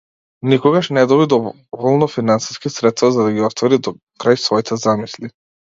Никогаш не доби доволно финансиски средства за да ги оствари до крај своите замисли.